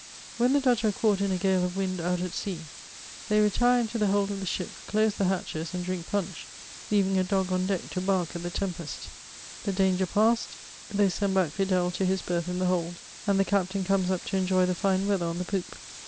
When the Dutch are caught in a gale of wind out at sea, they retire into the hold of the ship, close the hatches, and drink punch, leaving a dog on deck to bark at the tempest ; the danger passed, they send back Fiddle to his berth in the hold, and the captain comes up to enjoy the fine weather on the poop.